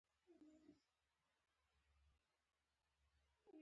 تر دې چې اوس دا خبره باوري ښکاري.